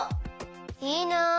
いいな！